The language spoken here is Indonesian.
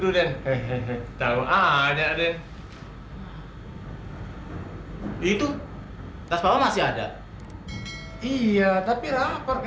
dan punya tiga anak